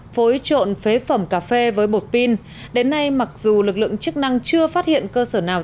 phối trộn phế phẩm cà phê với bột pin đến nay mặc dù lực lượng chức năng chưa phát hiện cơ sở nào